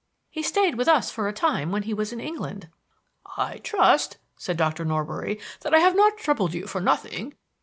He stayed with us for a time when he was in England." "I trust," said Dr. Norbury, "that I have not troubled you for nothing.